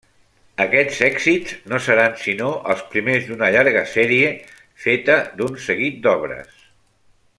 Aquests èxits no seran sinó els primers d'una llarga sèrie feta d'un seguit d'obres.